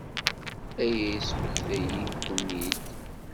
Aya yesmektay-iyi-ken-id.